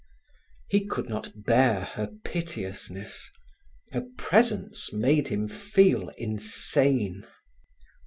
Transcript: He could not bear her piteousness. Her presence made him feel insane.